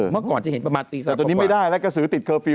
เมื่อก่อนจะเห็นประมาณตี๓กว่ากว่าแต่ตอนนี้ไม่ได้แล้วก็ซื้อติดเคอร์ฟฟิลล์